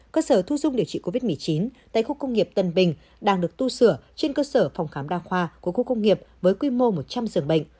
cơ sở thu dung điều trị covid một mươi chín tại khu công nghiệp tân bình đang được tu sửa trên cơ sở phòng khám đa khoa của khu công nghiệp với quy mô một trăm linh giường bệnh